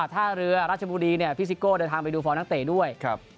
ถ้าเรือราชบุรีพี่ซิโก้เดินทางไปดูฟ้อนักเตะด้วย